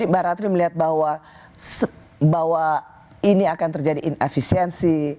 saya melihat bahwa ini akan terjadi inefisiensi